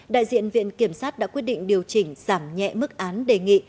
đại diện viện kiểm sát đã quyết định điều chỉnh giảm nhẹ mức án đề nghị